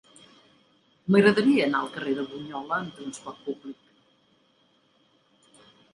M'agradaria anar al carrer de Bunyola amb trasport públic.